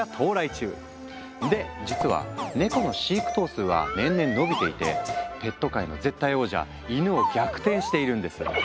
で実はネコの飼育頭数は年々伸びていてペット界の絶対王者イヌを逆転しているんです。